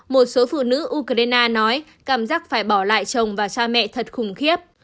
một số phụ nữ ukraine nói cảm giác phải bỏ lại chồng và cha mẹ thật khủng khiếp